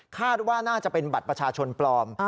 คาดว่าน่าจะเป็นบัตรประชาชนปลอม